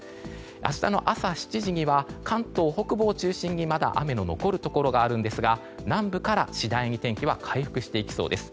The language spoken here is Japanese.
明日の朝７時には関東北部を中心にまだ雨の残るところがあるんですが南部から次第に天気は回復していきそうです。